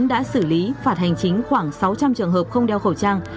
đã xử lý phạt hành chính khoảng sáu trăm linh trường hợp không đeo khẩu trang